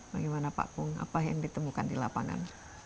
bagaimana pak pung apa yang ditemukan di lapangan